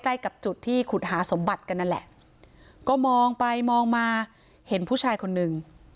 ใกล้กับจุดที่ขุดหาสมบัติกันนั่นแหละก็มองไปมองมาเห็นผู้ชายคนนึง